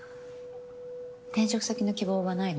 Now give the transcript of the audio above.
転職先の希望はないの？